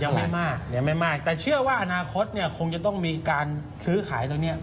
ยังไม่มากยังไม่มากแต่เชื่อว่าอนาคตเนี่ยคงจะต้องมีการซื้อขายตรงเนี้ย